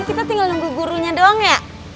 kita tinggal nunggu gurunya doang ya